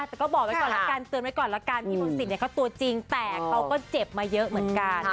แต่ก็เติมไว้ก่อนละกันอีโมกสิตเนี่ยก็ตัวจริงแต่เขาก็เจ็บมาเยอะเหมือนกัน